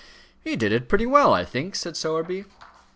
"He did it pretty well, I think," said Sowerby.